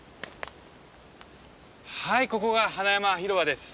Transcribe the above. はいここが花山広場です。